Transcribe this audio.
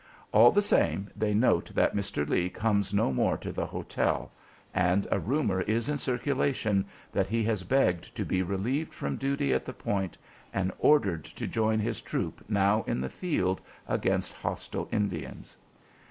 All the same, they note that Mr. Lee comes no more to the hotel, and a rumor is in circulation that he has begged to be relieved from duty at the Point and ordered to join his troop now in the field against hostile Indians.